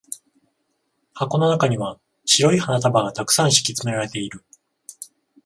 箱の中には白い花束が沢山敷き詰められている。